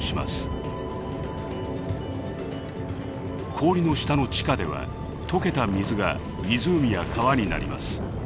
氷の下の地下では解けた水が湖や川になります。